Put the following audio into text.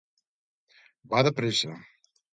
Va de pressa.